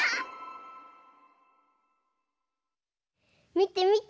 みてみて。